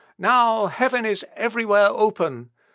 Now heaven is everywhere open!...